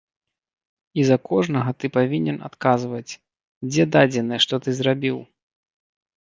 І за кожнага ты павінен адказваць, дзе дадзеныя, што ты зрабіў.